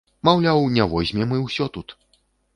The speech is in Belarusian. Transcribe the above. Маўляў, не возьмем, і ўсё тут.